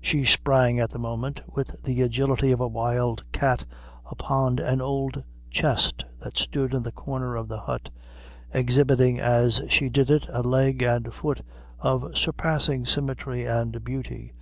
She sprang at the moment, with the agility of a wild cat, upon an old chest that stood in the corner of the hut, exhibiting as she did it, a leg and foot of surpassing symmetry and beauty.